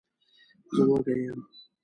زه وږی یم.